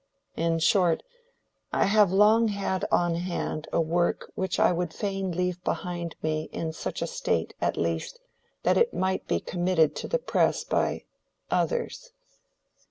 In short, I have long had on hand a work which I would fain leave behind me in such a state, at least, that it might be committed to the press by—others.